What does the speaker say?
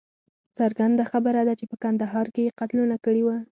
څرګنده خبره ده چې په کندهار کې یې قتلونه کړي وه.